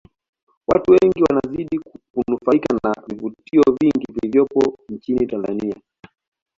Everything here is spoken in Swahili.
Watu wengi wanazidi kunufaika na vivutio vingi vilivopo nchini Tanzania